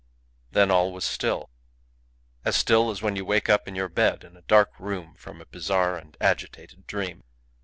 Then all was still as still as when you wake up in your bed in a dark room from a bizarre and agitated dream.